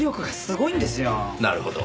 なるほど。